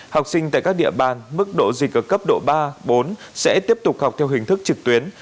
học sinh tại các địa bàn mức độ dịch ở cấp độ ba bốn sẽ tiếp tục học theo hình thức trực tuyến